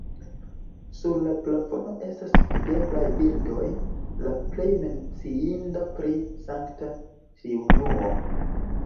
Sur la plafono estas videblaj bildoj, la plej menciinda pri Sankta Triunuo.